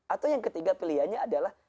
atau yang ketiga pilihannya adalah